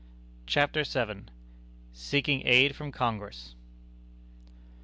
CHAPTER VII. SEEKING AID FROM CONGRESS.